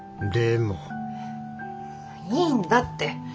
いいんだって。